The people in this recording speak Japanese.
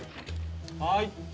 はい。